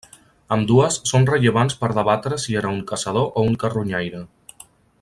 Ambdues són rellevants per debatre si era un caçador o un carronyaire.